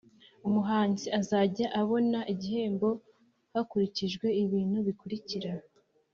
umuhanzi azajya abona igihembo hakurikijwe ibintu bikurikira: